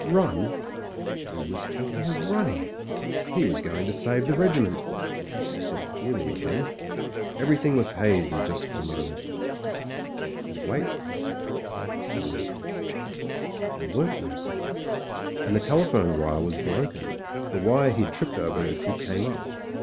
Run! Who was talking of running? He was go ing to save the regiment — once he could think clearly again. Everything was hazy just for the moment. ''And wait for supports like a soldier." But there weren't no supports, and the telephone wire was broken — ^the wire he'd tripped over as he came up.